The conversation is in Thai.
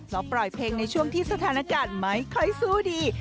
เพราะปล่อยเพลงในช่วงที่สถานการณ์ไม่ค่อยสู้ดี